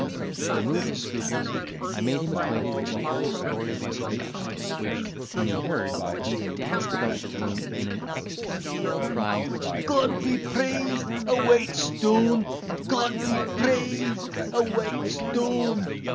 To remove his scruples, I made him acquainted with the whole story of my success, which, when he heard, he danced about the room in an ecstacy, crying, "God be praised!—a white stone!—God be praised!—a white stone!"